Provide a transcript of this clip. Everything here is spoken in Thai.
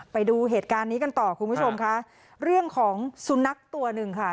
ไปดูเหตุการณ์นี้กันต่อคุณผู้ชมค่ะเรื่องของสุนัขตัวหนึ่งค่ะ